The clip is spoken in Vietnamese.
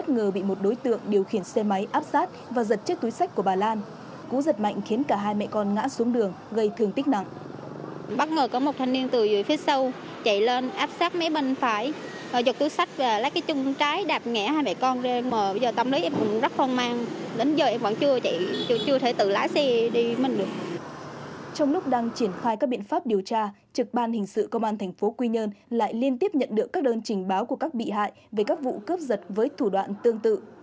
trực ban hình sự công an tp quy nhơn lại liên tiếp nhận được các đơn trình báo của các bị hại về các vụ cướp giật với thủ đoạn tương tự